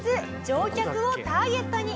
乗客をターゲットに。